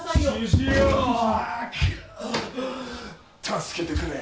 助けてくれ！